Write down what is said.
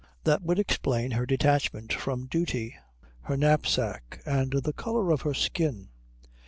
That would explain her detachment from duty, her knapsack, and the colour of her skin.